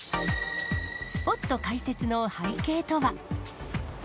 スポット開設の背景とは。